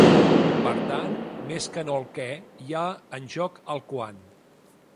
Per tant, més que no el què hi ha en joc el quan.